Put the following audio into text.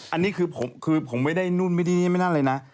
อันนี้คือผมไม่ได้นู่นไม่ได้นี่ไม่นั่นเลยนะ